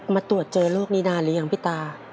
มาตรวจเจอโรคนี้นานหรือยังพี่ตา